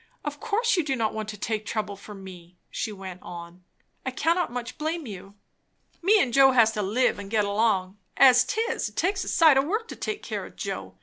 "Of course you do not want to take trouble for me," she went on. "I cannot much blame you." "Me and Joe has to live and get along, as 'tis; and it takes a sight o' work to take care o' Joe.